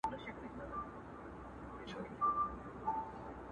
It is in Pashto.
او پر ښکلې نوراني ږیره به توی کړي٫